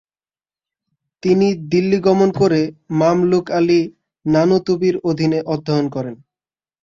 তিনি দিল্লি গমন করে মামলুক আলী নানুতুবির অধীনে অধ্যয়ন করেন।